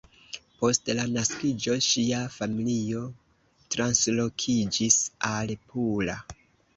Post la naskiĝo ŝia familio translokiĝis al Pula.